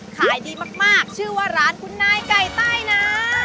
ขายดีมากชื่อว่าร้านคุณนายไก่ใต้นะ